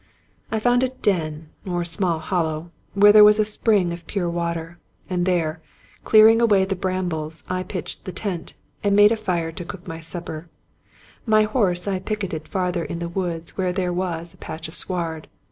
I found a den, or small hollow, where there was a spring of pure water; and there, clearing away the brambles, I pitched the tent, and made a fire to cook my supper. My horse I picketed farther in the wood where there was a patch of sward.